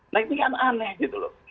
nah itu kan aneh gitu loh